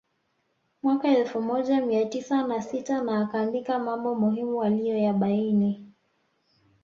Mwaka elfu moja mia tisa na sita na akaandika mambo muhimu aliyoyabaini